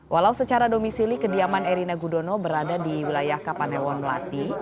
walau secara domisili kediaman erina gudono berada di wilayah kapanewon melati